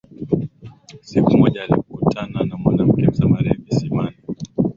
Siku moja alikutana na mwanamke msamaria kisimani.